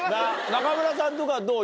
中村さんとかどう？